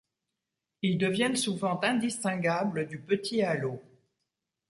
Ils deviennent souvent indistinguables du petit halo.